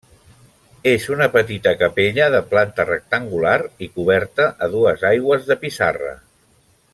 És una petita capella de planta rectangular i coberta a dues aigües de pissarra.